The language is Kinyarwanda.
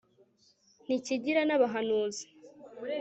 ntikigira n'abahanuzi